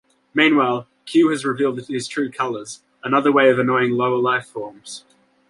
Meanwhile, Q has revealed his true colors: another way of annoying lower life forms.